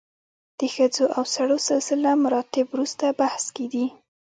د ښځو او سړو سلسله مراتب وروسته بحث کې دي.